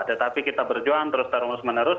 tetapi kita berjuang terus terus menerus